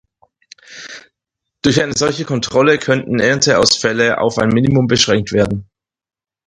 Durch eine solche Kontrolle könnten Ernteausfälle auf ein Minimum beschränkt werden.